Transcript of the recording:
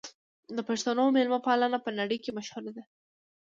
د پښتنو مېلمه پالنه په نړۍ کې مشهوره ده.